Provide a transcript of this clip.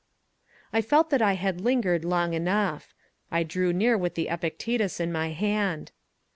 I felt that I had lingered long enough. I drew near with the Epictetus in my hand.